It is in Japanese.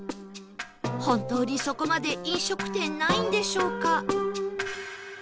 本当にそこまで飲食店ないんでしょうか？